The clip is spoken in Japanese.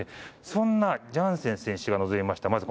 そんなジャンセン選手が臨みました